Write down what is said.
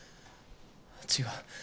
違う。